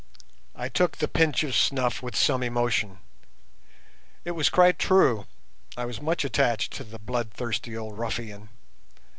I took the pinch of snuff with some emotion. It was quite true, I was much attached to the bloodthirsty old ruffian.